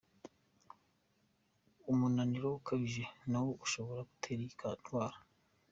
Umunaniro ukabije nawo uri mu bishobora gutera iyi ndwara.